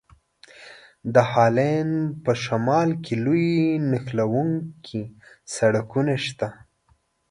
د هالند په شمال کې لوی نښلوونکي سړکونه شته دي.